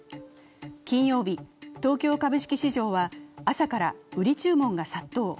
金曜日東京株式市場は朝から売り注文が殺到。